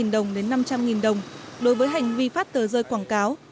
hai trăm linh đồng đến năm trăm linh đồng đối với hành vi phát tờ rơi quảng cáo